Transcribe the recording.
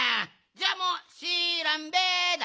じゃあもうしらんべだ。